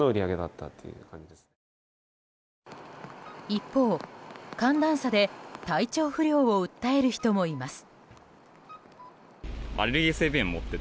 一方、寒暖差で体調不良を訴える人もいます。